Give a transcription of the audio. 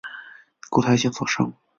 顾太清所生。